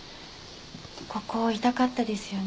「ここ痛かったですよね。